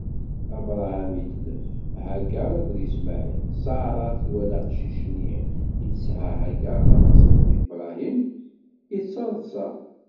Abṛaham itlef, Hagaṛ akked Ismaɛil, Ṣara twala aqcic-nni i d-tesɛa Hagaṛ tamaṣrit i Abṛaham, ittaḍṣa.